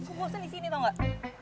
gue bosan di sini tau gak